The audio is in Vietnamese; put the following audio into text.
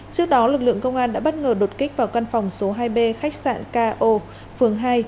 trước đó lực lượng công an đã bất ngờ đột kích vào căn phòng số hai b khách sạn ko phường hai